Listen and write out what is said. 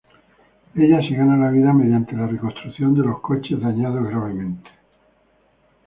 Ella se gana la vida mediante la reconstrucción de los coches dañados gravemente.